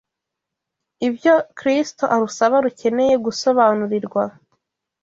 ibyo Kristo arusaba rukeneye gusobanurirwa)